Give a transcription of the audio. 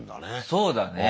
そうだね。